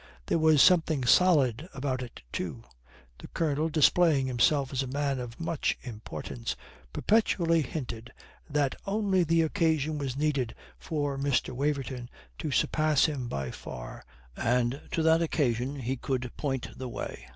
There was something solid about it, too. The Colonel, displaying himself as a man of much importance, perpetually hinted that only the occasion was needed for Mr. Waverton to surpass him by far, and to that occasion he could point the way.